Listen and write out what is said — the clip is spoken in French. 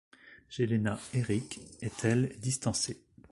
Jelena Eric est elle distancée.